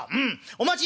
『お待ち。